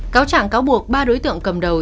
cáo trẳng cáo buộc ba đối tượng cầm đầu